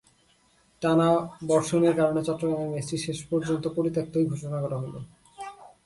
টানা বর্ষণের কারণে চট্টগ্রামের ম্যাচটি শেষ পর্যন্ত পরিত্যক্তই ঘোষণা করা হলো।